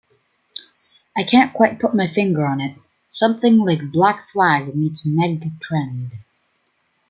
I can't quite put my finger on it...something like Black Flag meets Neg Trend.